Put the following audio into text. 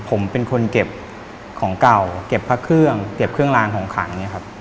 ผมเป็นคนเก็บของเก่าเก็บพระเครื่องเก็บเครื่องลางของขังเนี่ยครับ